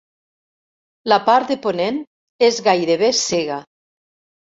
La part de ponent és gairebé cega.